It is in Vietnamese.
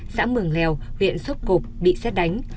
xã mường lèo huyện xuất cục bị xét đánh